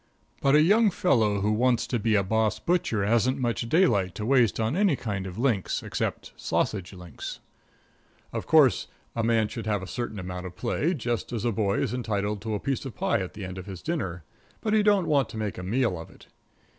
But a young fellow who wants to be a boss butcher hasn't much daylight to waste on any kind of links except sausage links. Of course, a man should have a certain amount of play, just as a boy is entitled to a piece of pie at the end of his dinner, but he don't want to make a meal of it.